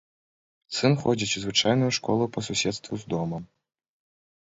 Сын ходзіць у звычайную школу па суседству з домам.